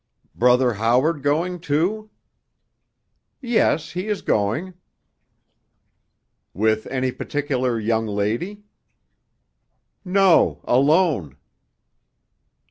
"Brother Howard going, too?" "Yes—he is going." "With any particular young lady?" "No—alone."